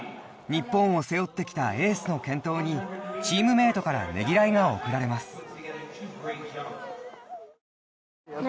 日本を背負ってきたエースの健闘にチームメートからねぎらいが送られます。